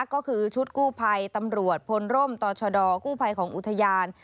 ก็คือชุดกู้ภัยตำรวจพลร่มต่อชดกู้ภัยของอุทยาน